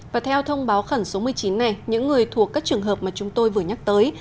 và theo thông báo khẩn số một mươi chín này những người thuộc các trường hợp mà chúng tôi vừa nhắc tới